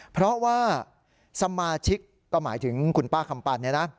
เพราะว่าสมาชิกก็หมายถึงคุณป้าคำปันเนี่ยนะ